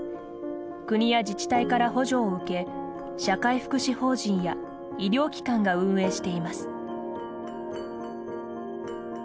国や自治体から補助を受け社会福祉法人や医療機関が運営しています。